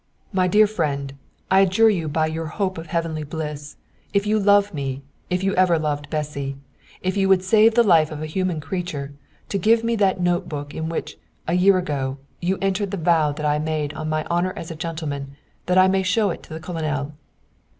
My dear friend, I adjure you by your hope of heavenly bliss, if you love me, if you ever loved Bessy, if you would save the life of a human creature, to give me that note book in which, a year ago, you entered the vow that I made on my honour as a gentleman, that I may show it to the Colonel."